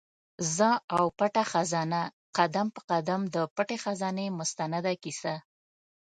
زه او پټه خزانه؛ قدم په قدم د پټي خزانې مستنده کیسه